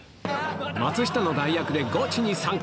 松下の代役でゴチに参加。